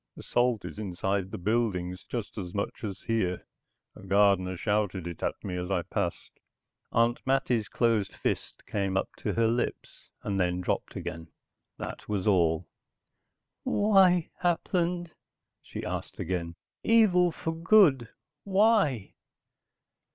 "The salt is inside the buildings, just as much as here. A gardener shouted it at me as I passed." Aunt Mattie's closed fist came up to her lips, and then dropped again. That was all. "Why, Hapland?" she asked again. "Evil for good? Why?"